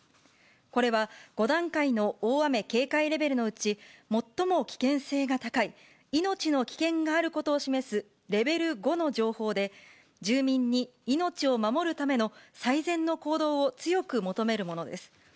これは５段階の大雨警戒レベルのうち、最も危険性が高い、命の危険があることを示すレベル５の情報で、住民に命を守るための最善の行動を強く求めるものです。